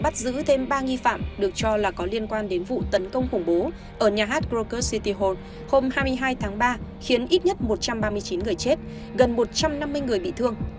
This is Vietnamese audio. bắt giữ thêm ba nghi phạm được cho là có liên quan đến vụ tấn công khủng bố ở nhà hát krokus city hall hôm hai mươi hai tháng ba khiến ít nhất một trăm ba mươi chín người chết gần một trăm năm mươi người bị thương